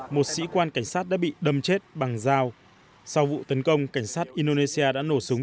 một sĩ quan cảnh sát đã bị đâm chết bằng dao sau vụ tấn công cảnh sát indonesia đã nổ súng